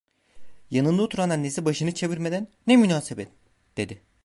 Yanında oturan annesi başını çevirmeden: "Ne münasebet!" dedi.